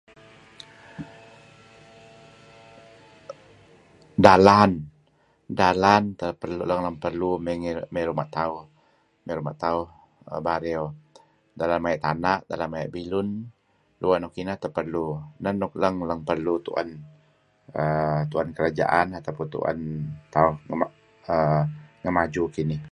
Dalan, dalan tah perlu lang lang perlu may ngi ,may ngi ruma tauh, may rumah tauh aah Bario. Dalan mayah tanah ,dalan mayah bilun ,duah nuk inah tah lang perlu. Nah tah nuk lang lang perlu tu'an[aah]tu'an kerajaan ataupun tu'an tauh[aah]maju kini.